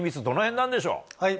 どの辺なんでしょう。